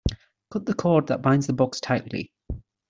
Cut the cord that binds the box tightly.